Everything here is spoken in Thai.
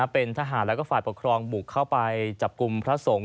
เป็นทหารและฝ่ายปกครองบุกเข้าไปจับกลุ่มพระสงฆ์